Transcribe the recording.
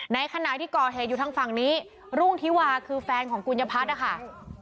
ในขณะที่ก่อเหตุอยู่ทางฝั่งนี้รุ่งธิวาคือแฟนของกุญญพัฒน์นะคะ